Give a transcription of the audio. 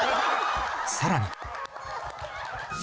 さらに